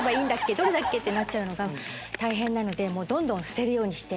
どれだっけ？ってなっちゃうのが大変なのでもうどんどん捨てるようにして。